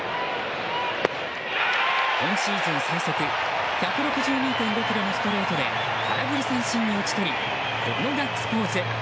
今シーズン最速１６２．５キロのストレートで空振り三振に打ち取りこのガッツポーズ。